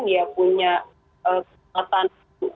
dia punya kekuatan